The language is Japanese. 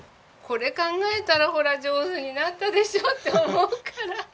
これ考えたらほら上手になったでしょって思うから。